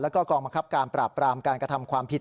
แล้วก็กองบังคับการปราบปรามการกระทำความผิด